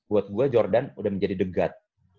buat gue jordan udah menjadi the god